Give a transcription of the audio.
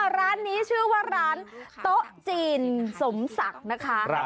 ร้านนี้ชื่อว่าร้านโต๊ะจีนสมศักดิ์นะคะ